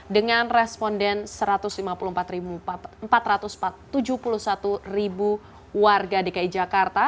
dengan responden satu ratus lima puluh empat empat ratus tujuh puluh satu warga dki jakarta